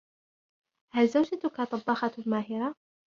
هل زوجتك طباخة ماهرة ؟